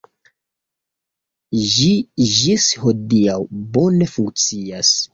Ĝi ĝis hodiaŭ bone funkcias.